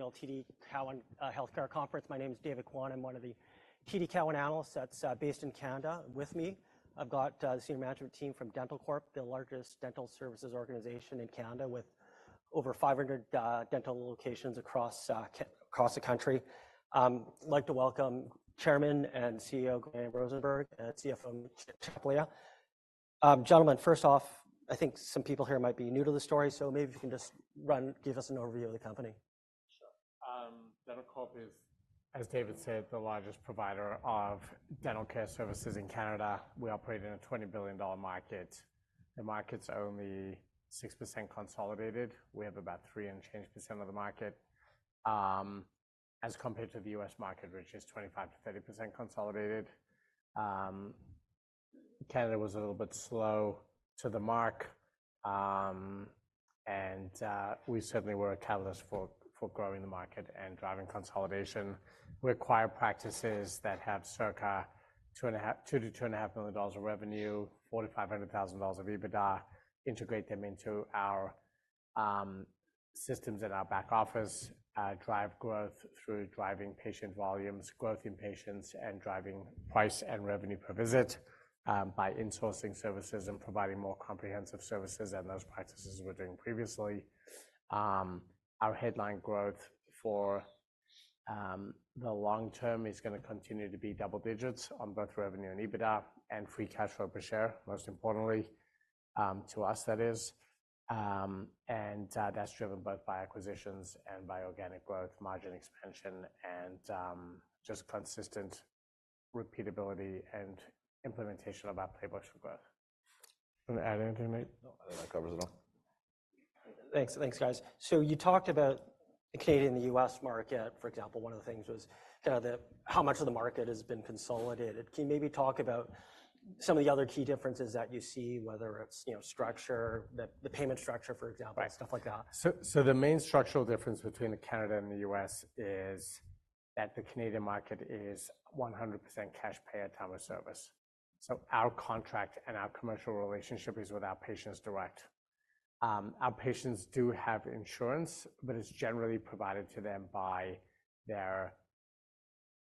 Fourth annual TD Cowen Healthcare Conference. My name is David Kwan. I'm one of the TD Cowen analysts that's based in Canada. With me, I've got the senior management team from dentalcorp, the largest dental services organization in Canada, with over 500 dental locations across the country. I'd like to welcome Chairman and CEO Graham Rosenberg, and CFO Nate Tchaplia. Gentlemen, first off, I think some people here might be new to the story, so maybe if you can just give us an overview of the company. Sure. dentalcorp is, as David said, the largest provider of dental care services in Canada. We operate in a 20 billion dollar market. The market's only 6% consolidated. We have about 3% and change of the market, as compared to the US market, which is 25%-30% consolidated. Canada was a little bit slow to the mark, and we certainly were a catalyst for growing the market and driving consolidation. We acquire practices that have circa 2-2.5 million dollars of revenue, four- to five-hundred thousand dollars of EBITDA, integrate them into our systems in our back office. Drive growth through driving patient volumes, growth in patients, and driving price and revenue per visit, by insourcing services and providing more comprehensive services than those practices were doing previously. Our headline growth for the long term is gonna continue to be double digits on both revenue and EBITDA, and free cash flow per share, most importantly, to us, that is. That's driven both by acquisitions and by organic growth, margin expansion, and just consistent repeatability and implementation of our playbooks for growth. Want to add anything, Nate? No, I think that covers it all. Thanks, thanks, guys. So you talked about the Canadian and the U.S. market, for example, one of the things was how much of the market has been consolidated. Can you maybe talk about some of the other key differences that you see, whether it's, you know, structure, the payment structure, for example? Right... stuff like that? So the main structural difference between Canada and the U.S. is that the Canadian market is 100% cash-pay-at-time-of-service. So our contract and our commercial relationship is with our patients direct. Our patients do have insurance, but it's generally provided to them by their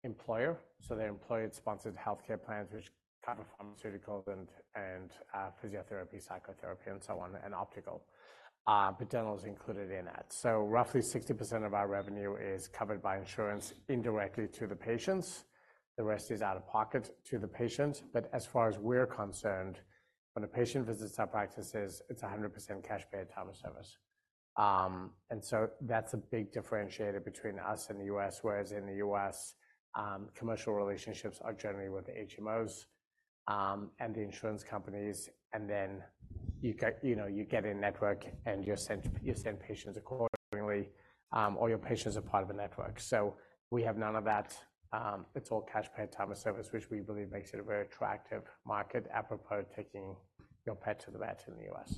employer, so their employer-sponsored healthcare plans, which cover pharmaceuticals and physiotherapy, psychotherapy, and so on, and optical, but dental is included in that. So roughly 60% of our revenue is covered by insurance indirectly to the patients; the rest is out-of-pocket to the patients. But as far as we're concerned, when a patient visits our practices, it's 100% cash-pay-at-time-of-service. And so that's a big differentiator between us and the U.S., whereas in the U.S., commercial relationships are generally with the HMOs and the insurance companies, and then you get, you know, you get in-network, and you're sent, you send patients accordingly, all your patients are part of a network. So we have none of that. It's all cash-pay-at-time-of-service, which we believe makes it a very attractive market, apropos taking your pet to the vet in the U.S.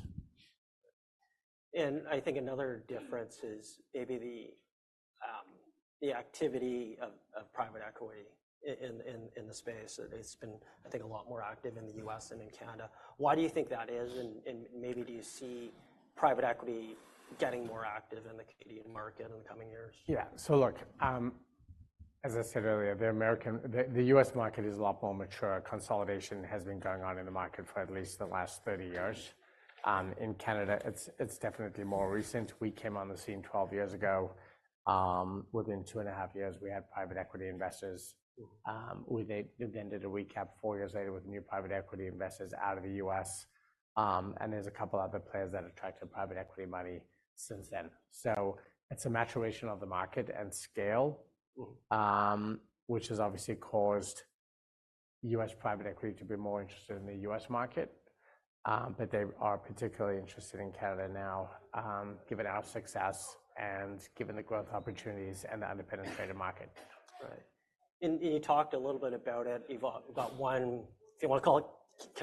I think another difference is maybe the activity of private equity in the space. It's been, I think, a lot more active in the U.S. than in Canada. Why do you think that is? And maybe do you see private equity getting more active in the Canadian market in the coming years? Yeah. So look, as I said earlier, the American, the U.S. market is a lot more mature. Consolidation has been going on in the market for at least the last 30 years. In Canada, it's definitely more recent. We came on the scene 12 years ago. Within 2.5 years, we had private equity investors. We then did a recap 4 years later with new private equity investors out of the U.S. And there's a couple other players that attracted private equity money since then. So it's a maturation of the market and scale- Mm... which has obviously caused U.S. private equity to be more interested in the U.S. market. But they are particularly interested in Canada now, given our success and given the growth opportunities and the underpenetrated market. Right. And you talked a little bit about it, about one, if you want to call it,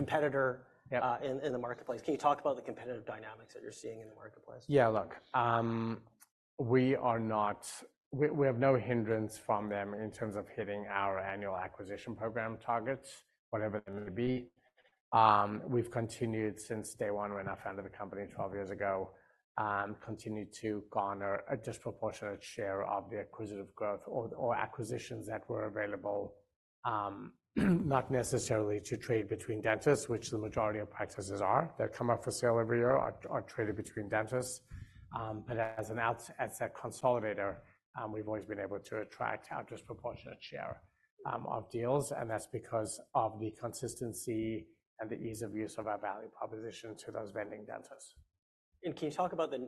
competitor. Yeah... in the marketplace. Can you talk about the competitive dynamics that you're seeing in the marketplace? Yeah, look. We are not. We have no hindrance from them in terms of hitting our annual acquisition program targets, whatever they may be. We've continued since day one, when I founded the company 12 years ago, continued to garner a disproportionate share of the acquisitive growth or acquisitions that were available, not necessarily to trade between dentists, which the majority of practices are, that come up for sale every year are traded between dentists. But as a consolidator, we've always been able to attract our disproportionate share of deals, and that's because of the consistency and the ease of use of our value proposition to those vending dentists. Can you talk about the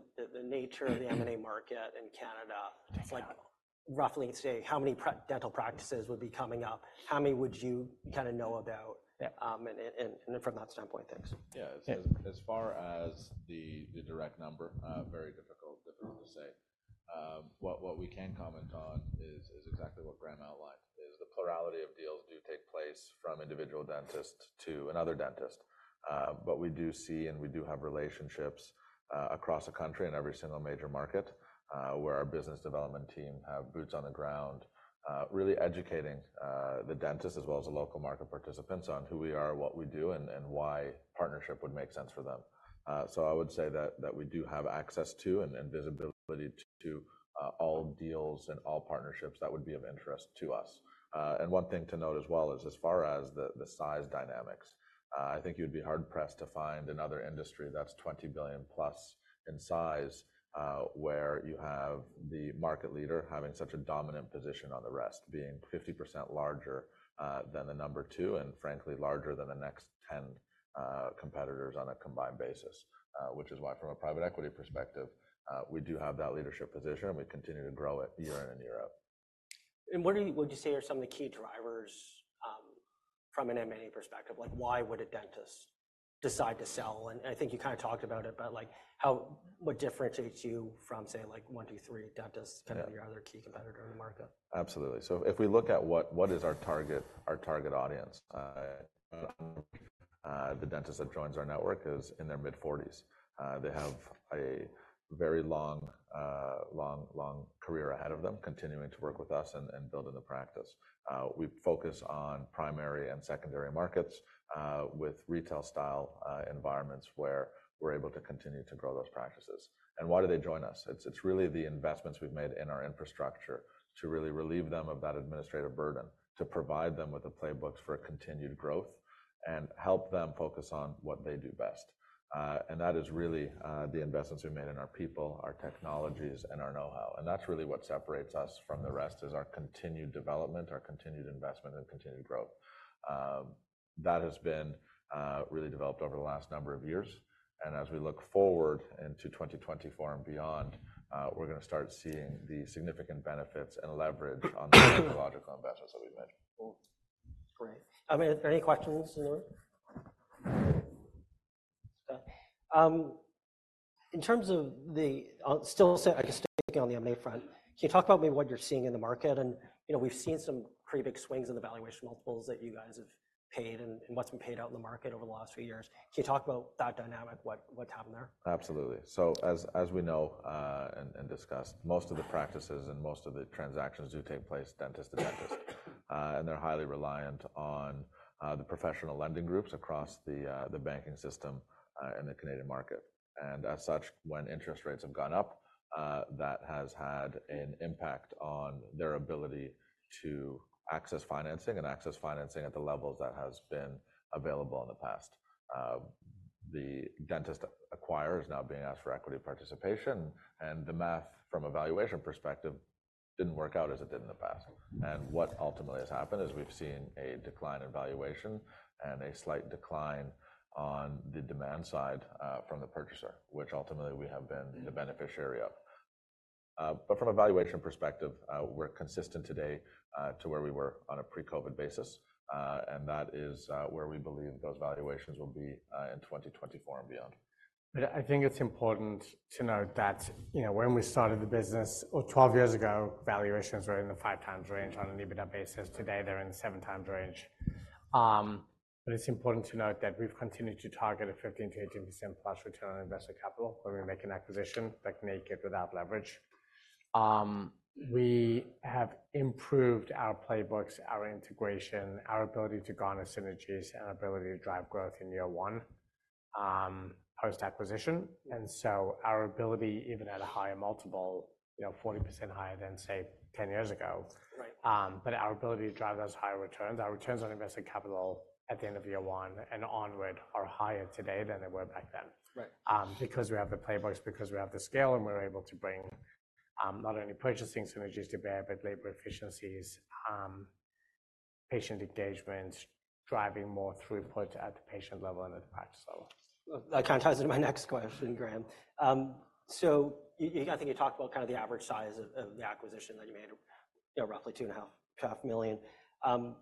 nature of the M&A market in Canada? Yeah. Like, roughly say, how many dental practices would be coming up? How many would you kinda know about- Yeah... and from that standpoint? Thanks. Yeah. Yeah. As far as the direct number, very difficult to say. What we can comment on is exactly what Graham outlined, is the plurality of deals do take place from individual dentist to another dentist. But we do see, and we do have relationships across the country in every single major market, where our business development team have boots on the ground, really educating the dentists as well as the local market participants on who we are, what we do, and why partnership would make sense for them. So I would say that we do have access to and visibility to all deals and all partnerships that would be of interest to us. And one thing to note as well is as far as the size dynamics, I think you'd be hard-pressed to find another industry that's 20 billion+ in size, where you have the market leader having such a dominant position on the rest, being 50% larger than the number two, and frankly, larger than the next 10 competitors on a combined basis. Which is why, from a private equity perspective, we do have that leadership position, and we continue to grow it year in and year out. What would you say are some of the key drivers from an M&A perspective? Like, why would a dentist decide to sell? I think you kind of talked about it, but, like, what differentiates you from, say, like, 123Dentists. Yeah... kind of your other key competitor in the market? Absolutely. So if we look at what is our target, our target audience, the dentist that joins our network is in their mid-forties. They have a very long, long, long career ahead of them, continuing to work with us and building the practice. We focus on primary and secondary markets with retail-style environments, where we're able to continue to grow those practices. Why do they join us? It's really the investments we've made in our infrastructure to really relieve them of that administrative burden, to provide them with the playbooks for a continued growth and help them focus on what they do best. That is really the investments we've made in our people, our technologies, and our know-how, and that's really what separates us from the rest, is our continued development, our continued investment, and continued growth. That has been really developed over the last number of years, and as we look forward into 2024 and beyond, we're gonna start seeing the significant benefits and leverage on the technological investments that we've made. Cool. Great. I mean, are there any questions in the room? In terms of still, so I guess, sticking on the M&A front, can you talk about maybe what you're seeing in the market? And, you know, we've seen some pretty big swings in the valuation multiples that you guys have paid and, and what's been paid out in the market over the last few years. Can you talk about that dynamic, what, what's happened there? Absolutely. So as we know, and discussed, most of the practices and most of the transactions do take place dentist to dentist. They're highly reliant on the professional lending groups across the banking system in the Canadian market. As such, when interest rates have gone up, that has had an impact on their ability to access financing and access financing at the levels that has been available in the past. The dentist acquirers now being asked for equity participation, and the math from a valuation perspective didn't work out as it did in the past. What ultimately has happened is we've seen a decline in valuation and a slight decline on the demand side from the purchaser, which ultimately we have been the beneficiary of. But from a valuation perspective, we're consistent today to where we were on a pre-COVID basis, and that is where we believe those valuations will be in 2024 and beyond. But I think it's important to note that, you know, when we started the business, well, 12 years ago, valuations were in the 5x range on an EBITDA basis. Today, they're in the 7x range. But it's important to note that we've continued to target a 15%-18%+ return on invested capital when we make an acquisition, like naked without leverage. We have improved our playbooks, our integration, our ability to garner synergies, and our ability to drive growth in year one, post-acquisition. And so our ability, even at a higher multiple, you know, 40% higher than, say, 10 years ago- Right... but our ability to drive those higher returns, our returns on invested capital at the end of year one and onward are higher today than they were back then. Right. Because we have the playbooks, because we have the scale, and we're able to bring, not only purchasing synergies to bear, but labor efficiencies, patient engagement, driving more throughput at the patient level and impact, so. That kind of ties into my next question, Graham. So you—I think you talked about kind of the average size of the acquisition that you made, you know, roughly 2.5 million. And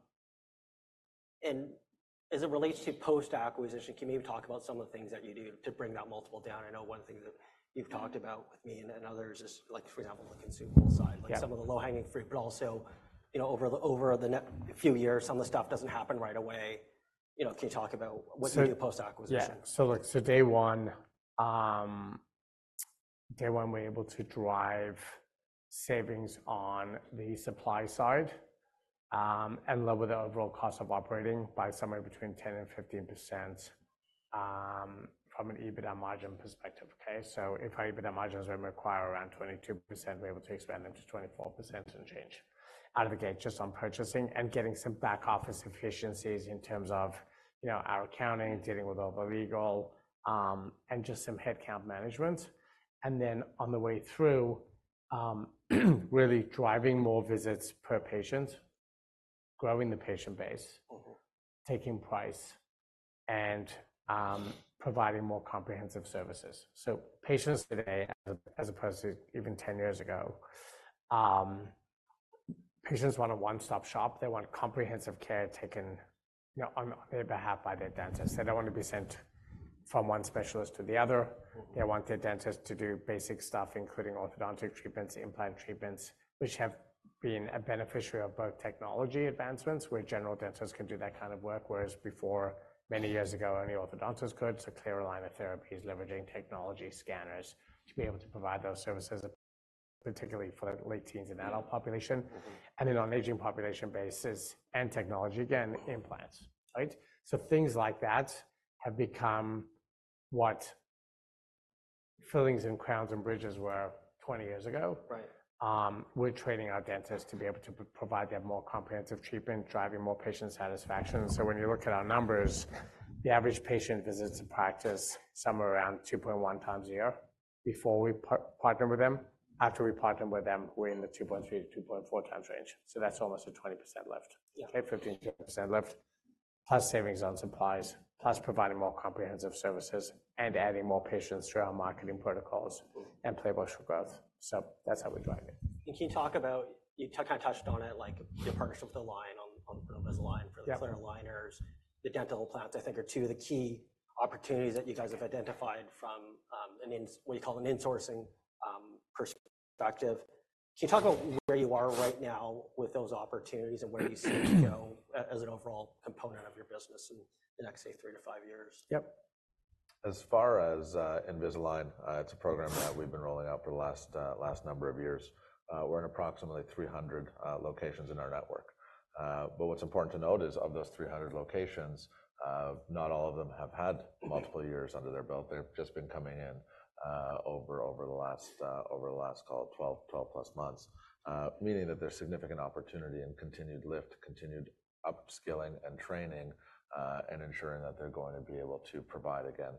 as it relates to post-acquisition, can you talk about some of the things that you do to bring that multiple down? I know one thing that you've talked about with me and others is, like, for example, looking consumable side- Yeah... like some of the low-hanging fruit, but also, you know, over the next few years, some of the stuff doesn't happen right away. You know, can you talk about what do you do post-acquisition? Yeah. So, like, so day one, we're able to drive savings on the supply side, and lower the overall cost of operating by somewhere between 10% and 15%, from an EBITDA margin perspective, okay? So if our EBITDA margins would require around 22%, we're able to expand them to 24% and change out of the gate, just on purchasing and getting some back-office efficiencies in terms of, you know, our accounting, dealing with all the legal, and just some headcount management. And then on the way through, really driving more visits per patient, growing the patient base- Mm-hmm... taking price, and providing more comprehensive services. So patients today, as opposed to even 10 years ago, patients want a one-stop shop. They want comprehensive care taken, you know, on their behalf by their dentist. They don't want to be sent from one specialist to the other. Mm-hmm. They want their dentist to do basic stuff, including orthodontic treatments, implant treatments, which have been a beneficiary of both technology advancements, where general dentists can do that kind of work, whereas before, many years ago, only orthodontists could. So Clear aligner therapy is leveraging technology scanners to be able to provide those services.... particularly for the late teens and adult population. Mm-hmm. Then on aging population basis and technology, again, implants, right? So things like that have become what fillings and crowns and bridges were 20 years ago. Right. We're training our dentists to be able to provide that more comprehensive treatment, driving more patient satisfaction. So when you look at our numbers, the average patient visits a practice somewhere around 2.1 times a year before we partner with them. After we partner with them, we're in the 2.3-2.4 times range. So that's almost a 20% lift. Yeah. Okay, 15%-20% lift, plus savings on supplies, plus providing more comprehensive services and adding more patients through our marketing protocols- Mm. and playbook for growth. So that's how we drive it. Can you talk about you kind of touched on it, like your partnership with Align on, on Invisalign? Yep... for the clear aligners, the dental implants, I think are two of the key opportunities that you guys have identified from an insourcing perspective. Can you talk about where you are right now with those opportunities and where you see them to go as an overall component of your business in the next, say, 3-5 years? Yep. As far as Invisalign, it's a program that we've been rolling out for the last number of years. We're in approximately 300 locations in our network. But what's important to note is, of those 300 locations, not all of them have had multiple years under their belt. They've just been coming in over the last, call it 12+ months. Meaning that there's significant opportunity and continued lift, continued upskilling and training, and ensuring that they're going to be able to provide again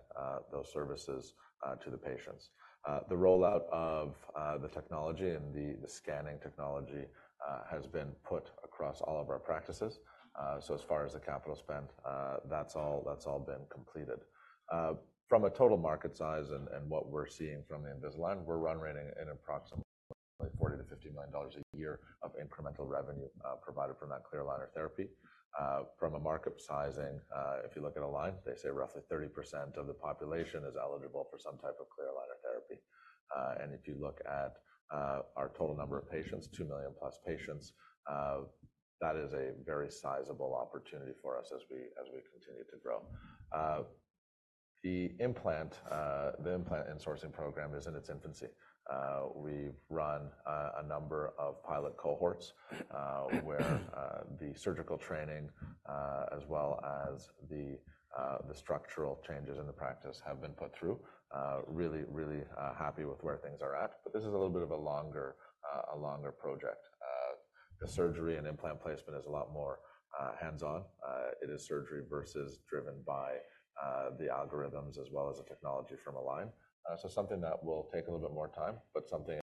those services to the patients. The rollout of the technology and the scanning technology has been put across all of our practices. So as far as the capital spend, that's all, that's all been completed. From a total market size and what we're seeing from the Invisalign, we're run rating at approximately 40 million-50 million dollars a year of incremental revenue provided from that clear aligner therapy. From a market sizing, if you look at Align, they say roughly 30% of the population is eligible for some type of clear aligner therapy. If you look at our total number of patients, 2 million+ patients, that is a very sizable opportunity for us as we continue to grow. The implant insourcing program is in its infancy. We've run a number of pilot cohorts where the surgical training as well as the structural changes in the practice have been put through. Really, really happy with where things are at, but this is a little bit of a longer, a longer project. The surgery and implant placement is a lot more hands-on. It is surgery versus driven by the algorithms as well as the technology from Align. So something that will take a little bit more time, but something,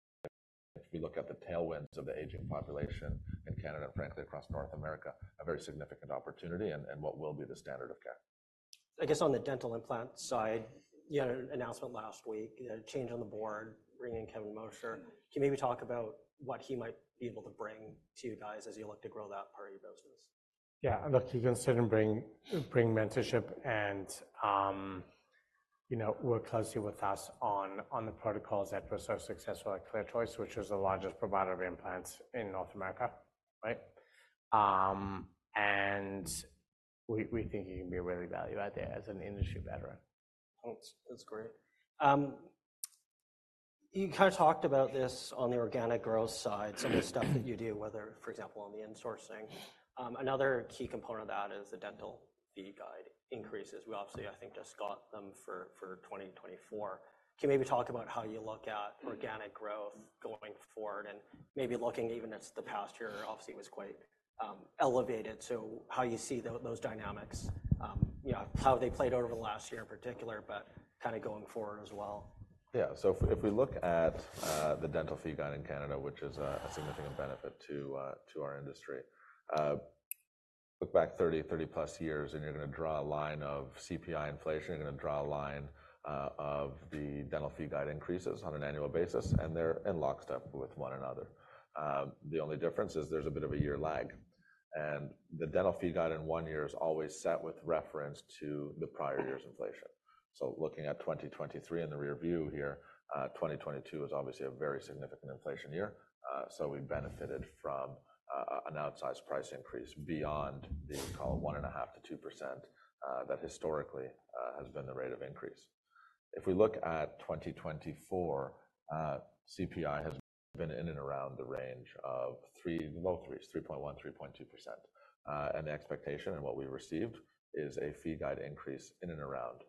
if you look at the tailwinds of the aging population in Canada, and frankly, across North America, a very significant opportunity and, and what will be the standard of care. I guess on the dental implant side, you had an announcement last week, you had a change on the board, bringing in Kevin Mosher. Can you maybe talk about what he might be able to bring to you guys as you look to grow that part of your business? Yeah, look, he's going to certainly bring mentorship and, you know, work closely with us on the protocols that were so successful at ClearChoice, which is the largest provider of implants in North America, right? And we think he can be a really value add there as an industry veteran. That's great. You kind of talked about this on the organic growth side—some of the stuff that you do, whether, for example, on the insourcing. Another key component of that is the dental fee guide increases. We obviously, I think, just got them for 2024. Can you maybe talk about how you look at organic growth going forward, and maybe looking even at the past year? Obviously, it was quite elevated, so how you see those dynamics, you know, how they played over the last year in particular, but kind of going forward as well. Yeah. So if we look at the dental fee guide in Canada, which is a significant benefit to our industry. Look back 30+ years, and you're going to draw a line of CPI inflation, you're going to draw a line of the dental fee guide increases on an annual basis, and they're in lockstep with one another. The only difference is there's a bit of a year lag, and the dental fee guide in one year is always set with reference to the prior year's inflation. So looking at 2023 in the rearview here, 2022 is obviously a very significant inflation year. So we benefited from an outsized price increase beyond the, call it, 1.5%-2%, that historically has been the rate of increase. If we look at 2024, CPI has been in and around the range of 3.1%-3.2%. The expectation and what we received is a fee guide increase in and around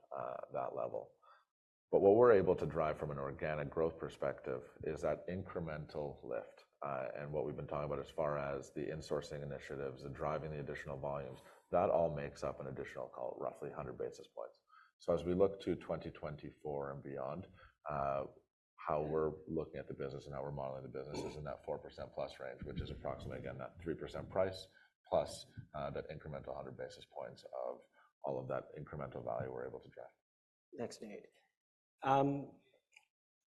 that level. But what we're able to drive from an organic growth perspective is that incremental lift, and what we've been talking about as far as the insourcing initiatives and driving the additional volumes, that all makes up an additional, call it, roughly 100 basis points. So as we look to 2024 and beyond, how we're looking at the business and how we're modeling the business is in that 4%+ range, which is approximately, again, that 3% price plus that incremental 100 basis points of all of that incremental value we're able to drive. Thanks, Nate.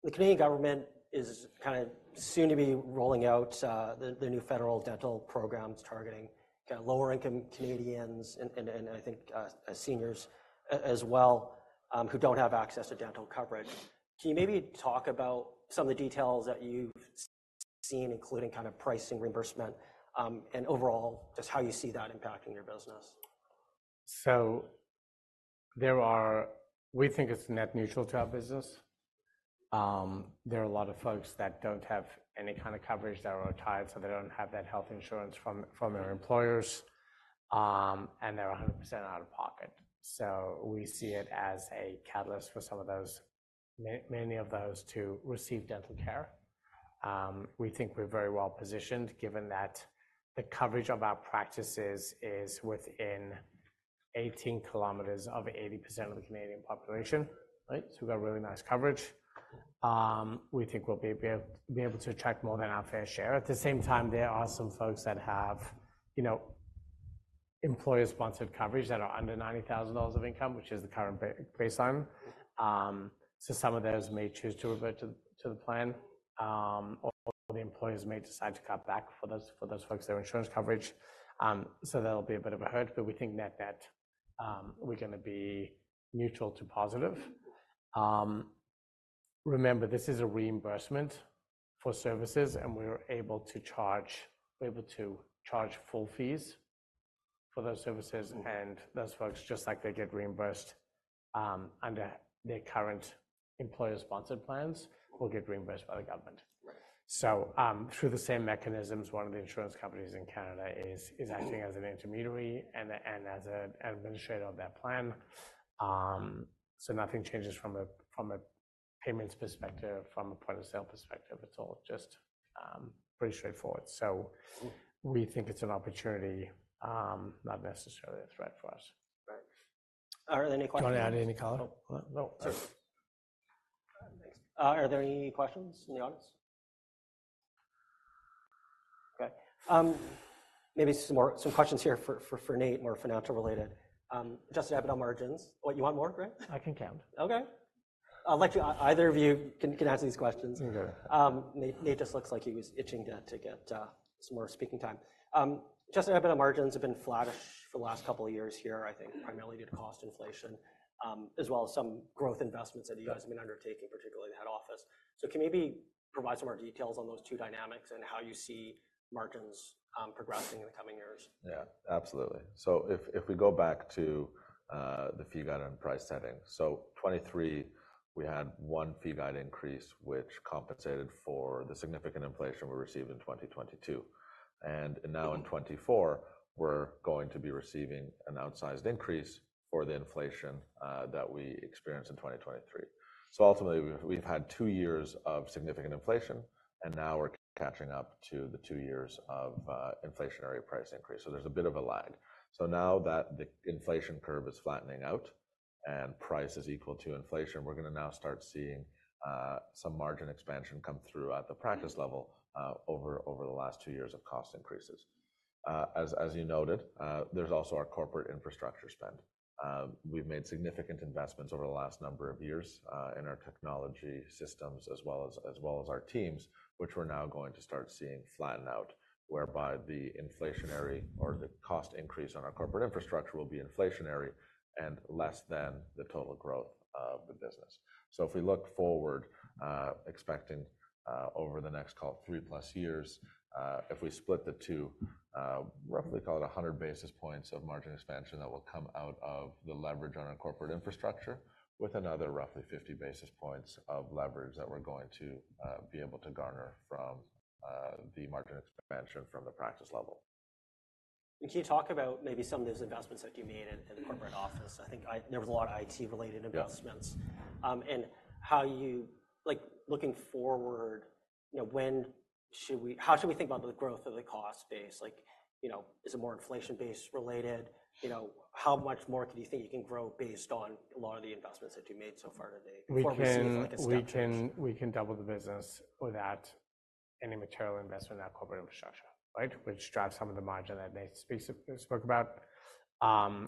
The Canadian government is kinda soon to be rolling out the new federal dental programs targeting lower-income Canadians and I think seniors as well who don't have access to dental coverage. Can you maybe talk about some of the details that you've seen, including kind of pricing, reimbursement, and overall, just how you see that impacting your business? So-... There are. We think it's net neutral to our business. There are a lot of folks that don't have any kind of coverage, that are retired, so they don't have that health insurance from their employers, and they're 100% out-of-pocket. So we see it as a catalyst for some of those, many of those to receive dental care. We think we're very well positioned, given that the coverage of our practices is within 18 kilometers of 80% of the Canadian population, right? So we've got really nice coverage. We think we'll be able to attract more than our fair share. At the same time, there are some folks that have, you know, employer-sponsored coverage that are under 90,000 dollars of income, which is the current baseline. So some of those may choose to revert to the plan, or the employers may decide to cut back for those folks their insurance coverage. So that'll be a bit of a hurt, but we think net-net, we're gonna be neutral to positive. Remember, this is a reimbursement for services, and we're able to charge full fees for those services. And those folks, just like they get reimbursed under their current employer-sponsored plans, will get reimbursed by the government. Right. So, through the same mechanisms, one of the insurance companies in Canada is acting as an intermediary and as an administrator of that plan. So nothing changes from a payments perspective, from a point-of-sale perspective. It's all just pretty straightforward. So we think it's an opportunity, not necessarily a threat for us. Right. Are there any questions? Do you want to add any color? No. So- Are there any questions in the audience? Okay. Maybe some more, some questions here for Nate, more financial related. Just EBITDA margins. Oh, you want more, Graham? I can count. Okay. I'll let you either of you can answer these questions. Okay. Nate, just looks like he was itching to get some more speaking time. Just EBITDA margins have been flattish for the last couple of years here, I think primarily due to cost inflation, as well as some growth investments that you guys have been undertaking, particularly in head office. So can you maybe provide some more details on those two dynamics and how you see margins progressing in the coming years? Yeah, absolutely. So if we go back to the fee guide and price setting. So 2023, we had one fee guide increase, which compensated for the significant inflation we received in 2022. And now in 2024, we're going to be receiving an outsized increase for the inflation that we experienced in 2023. So ultimately, we've had two years of significant inflation, and now we're catching up to the two years of inflationary price increase. So there's a bit of a lag. So now that the inflation curve is flattening out and price is equal to inflation, we're gonna now start seeing some margin expansion come through at the practice level over the last two years of cost increases. As you noted, there's also our corporate infrastructure spend. We've made significant investments over the last number of years in our technology systems, as well as our teams, which we're now going to start seeing flatten out, whereby the inflationary or the cost increase on our corporate infrastructure will be inflationary and less than the total growth of the business. So if we look forward, expecting over the next, call it, 3+ years, if we split the two, roughly call it 100 basis points of margin expansion, that will come out of the leverage on our corporate infrastructure, with another roughly 50 basis points of leverage that we're going to be able to garner from the margin expansion from the practice level. Can you talk about maybe some of those investments that you made in the corporate office? I think there was a lot of IT-related investments. Yeah. And how you—like, looking forward, you know, when should we—how should we think about the growth of the cost base? Like, you know, is it more inflation-based related? You know, how much more do you think you can grow based on a lot of the investments that you made so far today- We can- Before we see further disruptions.... We can double the business without any material investment in our corporate infrastructure, right? Which drives some of the margin that Nate speaks, spoke about.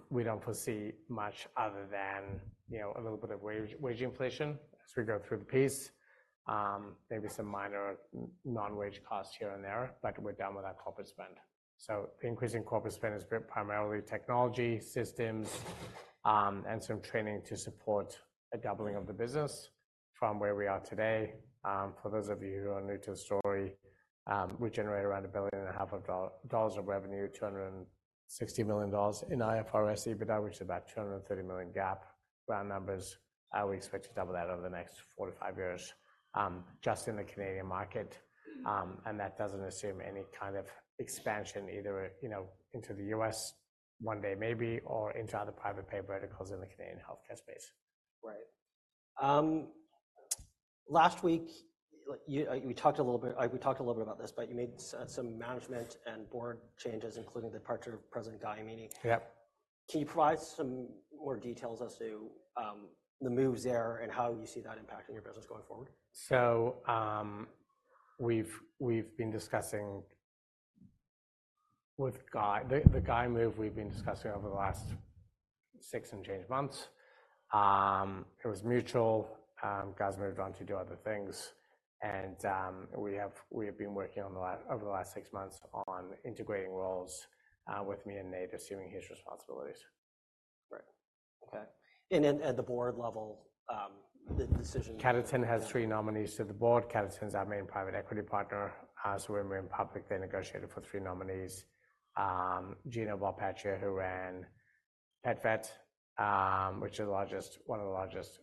We don't foresee much other than, you know, a little bit of wage inflation as we go through the piece. Maybe some minor non-wage costs here and there, but we're done with our corporate spend. So the increase in corporate spend is primarily technology systems, and some training to support a doubling of the business from where we are today. For those of you who are new to the story, we generate around 1.5 billion of revenue, 260 million dollars in IFRS, but that was about 230 million GAAP round numbers. We expect to double that over the next 4-5 years, just in the Canadian market. That doesn't assume any kind of expansion, either, you know, into the U.S. one day, maybe, or into other private pay verticals in the Canadian healthcare space. Right. Last week, we talked a little bit about this, but you made some management and board changes, including the departure of President Guy Amini. Yep. Can you provide some more details as to the moves there and how you see that impacting your business going forward? So, we've been discussing with Guy the Guy move over the last six and change months. It was mutual. Guy's moved on to do other things, and we have been working over the last six months on integrating roles with me and Nate assuming his responsibilities. Right. Okay. And then at the board level, the decision. Catterton has three nominees to the board. Catterton's our main private equity partner. So when we went public, they negotiated for three nominees. Gino Volpacchio, who ran PetVet, which is one of the largest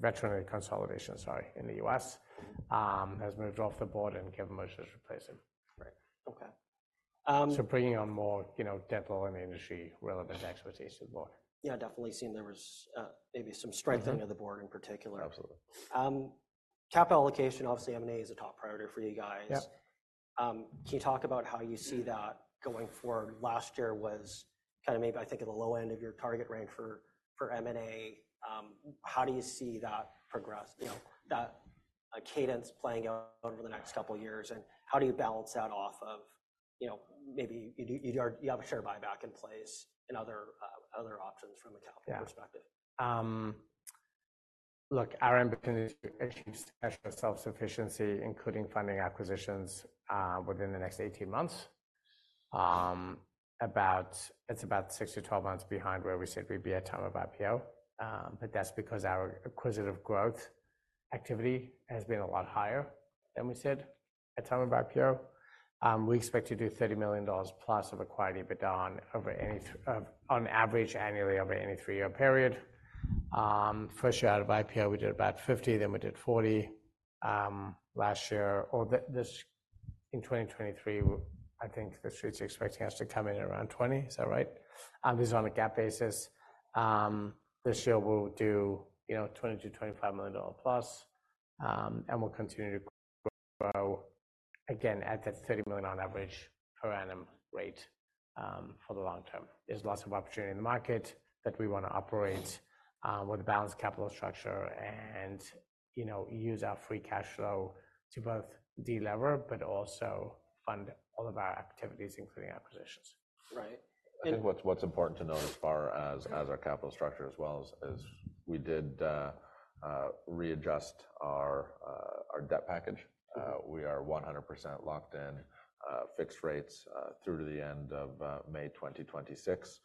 veterinary consolidation, sorry, in the US, has moved off the board, and Kevin Mosher is replacing. Right. Okay, Bringing on more, you know, dental and industry-relevant expertise to the board. Yeah, definitely seemed there was maybe some strengthening. Mm-hmm. of the board in particular. Absolutely. Capital allocation, obviously, M&A is a top priority for you guys. Yep. Can you talk about how you see that going forward? Last year was kind of maybe, I think, at the low end of your target range for M&A. How do you see that progress, you know, that cadence playing out over the next couple of years? And how do you balance that off of, you know, maybe you have a share buyback in place and other options from a capital perspective? Yeah. Look, our ambition is to achieve self-sufficiency, including funding acquisitions, within the next 18 months. It's about 6-12 months behind where we said we'd be at time of IPO, but that's because our acquisitive growth activity has been a lot higher than we said at time of IPO. We expect to do 30 million dollars+ of acquired EBITDA on average annually over any 3-year period. First year out of IPO, we did about 50 million, then we did 40 million last year. Or this, in 2023, I think the street's expecting us to come in around 20 million. Is that right? This is on a GAAP basis. This year we'll do, you know, 20 million-25 million dollar plus, and we'll continue to grow, again, at that 30 million on average per annum rate, for the long term. There's lots of opportunity in the market that we wanna operate, with a balanced capital structure and, you know, use our free cash flow to both delever but also fund all of our activities, including acquisitions. Right. And- I think what's important to note as far as our capital structure, as well as... We did readjust our debt package. Mm-hmm. We are 100% locked in fixed rates through to the end of May 2026,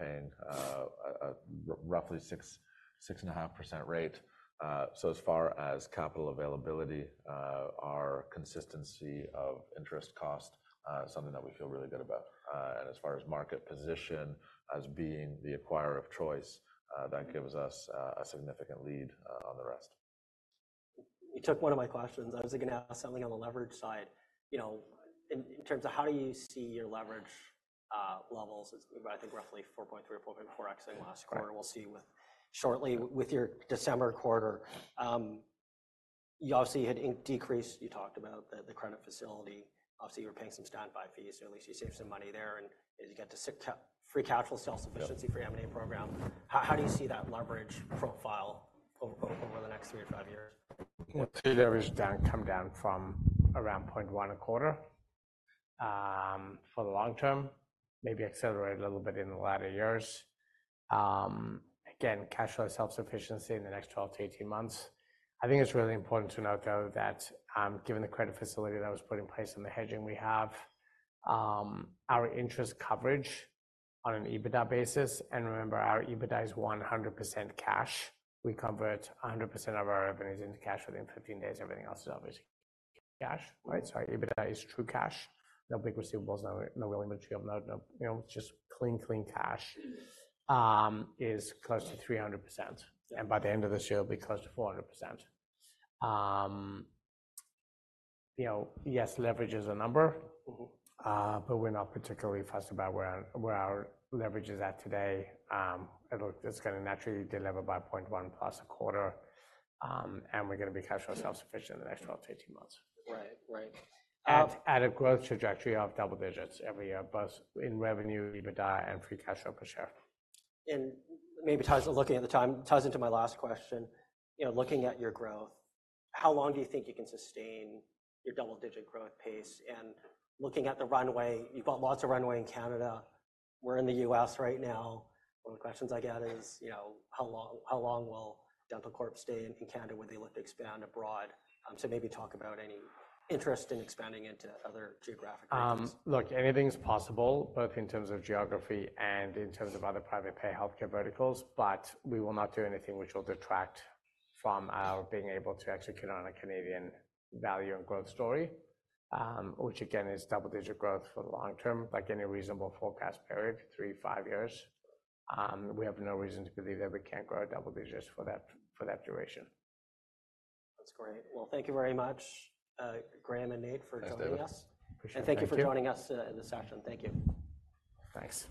paying a roughly 6-6.5% rate. So as far as capital availability, our consistency of interest cost is something that we feel really good about. As far as market position as being the acquirer of choice, that gives us a significant lead on the rest. You took one of my questions. I was gonna ask something on the leverage side. You know, in terms of how do you see your leverage levels? It's, I think, roughly 4.3 or 4.4x in last quarter. Correct. We'll see shortly with your December quarter. You obviously had decreased. You talked about the credit facility. Obviously, you were paying some standby fees, so at least you saved some money there, and you get to stick to free cash flow self-sufficiency. Yep... for your M&A program. How do you see that leverage profile over the next three to five years? Well, today, leverage is down, come down from around 1x a quarter, for the long term. Maybe accelerate a little bit in the latter years. Again, cash flow self-sufficiency in the next 12-18 months. I think it's really important to note, though, that, given the credit facility that was put in place and the hedging we have, our interest coverage on an EBITDA basis... And remember, our EBITDA is 100% cash. We convert 100% of our revenues into cash within 15 days. Everything else is obviously cash. Right? Sorry, EBITDA is true cash. No big receivables, no working capital, you know, just clean, clean cash, is close to 300%. Yeah. By the end of this year, it'll be close to 400%. You know, yes, leverage is a number. Mm-hmm. But we're not particularly fussed about where our leverage is at today. It's gonna naturally delever by 0.1 plus 0.25, and we're gonna be cash flow self-sufficient in the next 12-18 months. Right. Right. And- At a growth trajectory of double digits every year, both in revenue, EBITDA, and free cash flow per share. And maybe ties, looking at the time, ties into my last question. You know, looking at your growth, how long do you think you can sustain your double-digit growth pace? Looking at the runway, you've got lots of runway in Canada. We're in the U.S. right now. One of the questions I get is, you know, how long, how long will dentalcorp stay in Canada? Will they look to expand abroad? So maybe talk about any interest in expanding into other geographic regions. Look, anything's possible, both in terms of geography and in terms of other private pay healthcare verticals, but we will not do anything which will detract from our being able to execute on a Canadian value and growth story. Which again, is double-digit growth for the long term, like any reasonable forecast period, three to five years. We have no reason to believe that we can't grow double digits for that, for that duration. That's great. Well, thank you very much, Graham and Nate- Thanks, David... for joining us. Appreciate it. Thank you. Thank you for joining us, in this session. Thank you. Thanks.